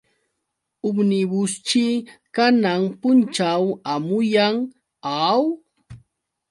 Umnibusćhi kanan punćhaw hamuyan, ¿aw?